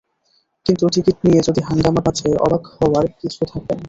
কিন্তু টিকিট নিয়ে যদি হাঙ্গামা বাধে, অবাক হওয়ার কিছু থাকবে না।